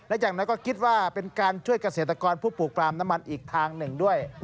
และจากนั้นก็คิดว่าเป็นการช่วยเกษตรกรผู้ปลูกปลามน้ำมันอีกทางหนึ่งด้วย